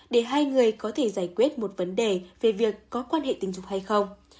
để hai người có thể giải quyết một vấn đề về việc có quan hệ tình dục hay không